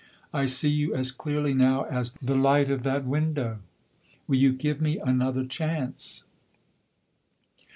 I see you as clearly now as the light of that window. Will you give me another chance?"